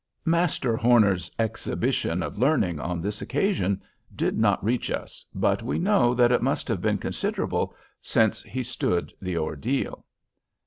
Master Homer's exhibition of learning on this occasion did not reach us, but we know that it must have been considerable, since he stood the ordeal.